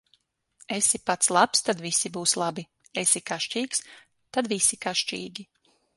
Esi pats labs, tad visi būs labi; esi kašķīgs, tad visi kašķīgi.